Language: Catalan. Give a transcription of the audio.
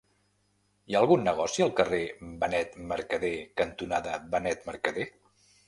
Hi ha algun negoci al carrer Benet Mercadé cantonada Benet Mercadé?